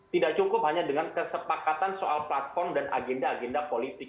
tidak cukup hanya dengan kesepakatan soal platform dan agenda agenda politik